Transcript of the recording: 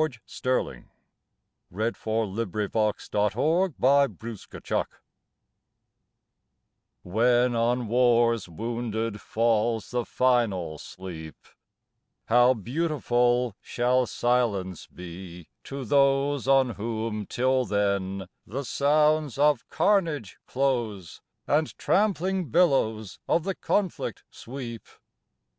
ON THE GREAT WAR THE BATTLEFIELD AT NIGHT When on war s wounded falls the final sleep, How beautiful shall silence be to those On whom till then the sounds of carnage close And tramping billows of the conflict sweep